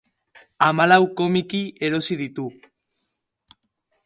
Hamalau komiki erosi ditu.